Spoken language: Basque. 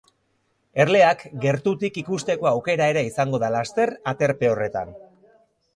Erleak gertutik ikusteko aukera ere izango da laster aterpe horretan.